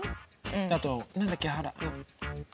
あと何だっけほら。